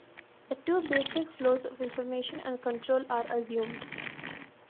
The two basic flows of information and control are assumed.